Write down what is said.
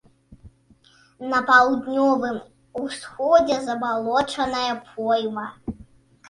На паўднёвым усходзе забалочаная пойма.